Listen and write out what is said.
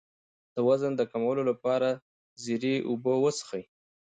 د وزن د کمولو لپاره د زیرې اوبه وڅښئ